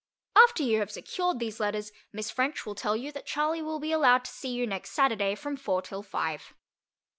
After you have secured these letters, Miss French will tell you that Charley will be allowed to see you next Saturday from four till five.